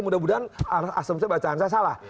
mudah mudahan asumsi bacaan saya salah